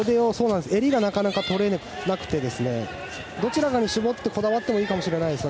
襟がなかなか取れなくてどちらかに絞ってこだわってもいいかもしれないです。